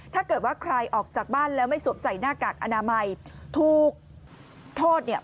ถ้าเกิดว่าใครออกจากบ้านแล้วไม่สวมใส่หน้ากากอนามัยถูกโทษเนี่ย